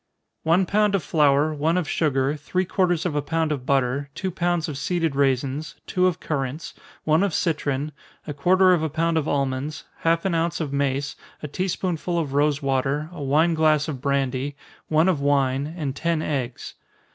_ One pound of flour, one of sugar, three quarters of a pound of butter, two pounds of seeded raisins, two of currants, one of citron, a quarter of a pound of almonds, half an ounce of mace, a tea spoonful of rosewater, a wine glass of brandy, one of wine, and ten eggs.